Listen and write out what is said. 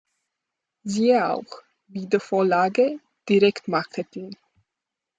Siehe auch: Wiedervorlage, Direktmarketing